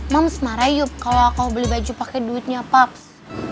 mams marah yuk kalo aku beli baju pake duitnya paks